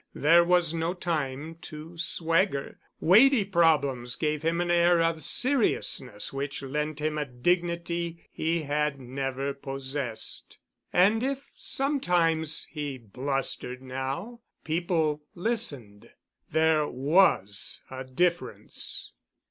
There was no time to swagger. Weighty problems gave him an air of seriousness which lent him a dignity he had never possessed. And if sometimes he blustered now, people listened. There was a difference.